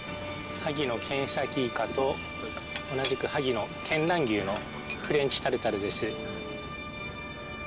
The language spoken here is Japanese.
萩のケンサキイカと同じく萩の見蘭牛のフレンチタルタルです。